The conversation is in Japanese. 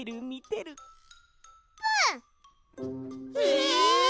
え！？